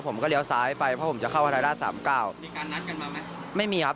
เลี้ยวซ้ายไปเพราะผมจะเข้าฮายราชสามเก้ามีการนัดกันมาไหมไม่มีครับ